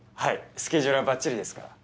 スケジュールはバッチリですから。